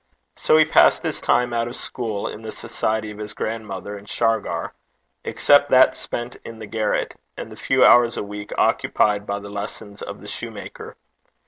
So he passed his time out of school in the society of his grandmother and Shargar, except that spent in the garret, and the few hours a week occupied by the lessons of the shoemaker.